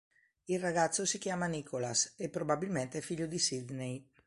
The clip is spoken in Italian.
Il ragazzo si chiama Nicholas, e probabilmente è figlio di Sydney.